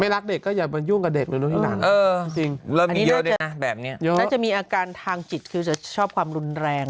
ไม่รักเด็กก็อย่ามายุ่งกับเด็กเลยนะเออจริงเริ่มมีเยอะเลยนะแบบเนี้ยน่าจะมีอาการทางจิตคือจะชอบความรุนแรง